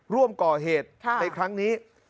ร่วมก่อเหตุในครั้งนี้